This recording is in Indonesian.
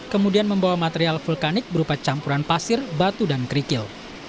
kemudian membawa material vulkanik berupa campuran pasir batu dan kerikil